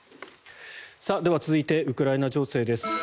では、続いてウクライナ情勢です。